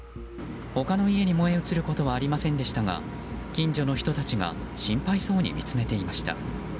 他の家に燃え移ることはありませんでしたが近所の人たちが心配そうに見つめていました。